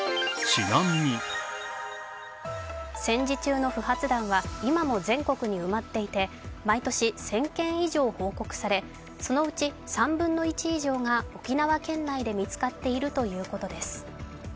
戦時中の不発弾は今も全国に埋まっていて、毎年１０００件以上報告されそのうち３分の１以上が沖縄県内で見つかっているということです。